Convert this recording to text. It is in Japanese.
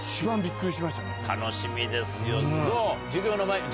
楽しみですよ。